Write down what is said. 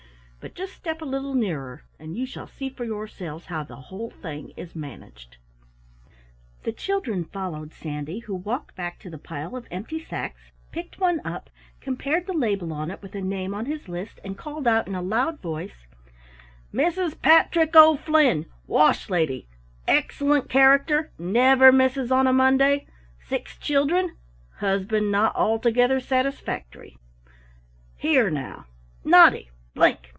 But just step a little nearer, and you shall see for yourselves how the whole thing is managed." The children followed Sandy, who walked back to the pile of empty sacks, picked one up, compared the label on it with a name on his list, and called out in a loud voice: "Mrs. Patrick O'Flynn, Wash Lady excellent character never misses on a Monday six children husband not altogether satisfactory. Here, now, Noddy Blink!